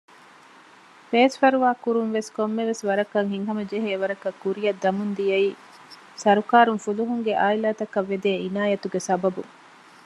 ބޭސްފަރުވާ ކުރުންވެސް ކޮންމެވެސް ވަރަކަށް ހިތްހަމަޖެހޭވަރަކަށް ކުރިއަށް ދަމުން ދިޔައީ ސަރުކާރުން ފުލުހުންގެ އާއިލާތަކަށް ވެދޭ އިނާޔަތުގެ ސަބަބުން